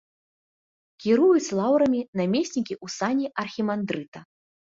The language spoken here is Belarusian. Кіруюць лаўрамі намеснікі ў сане архімандрыта.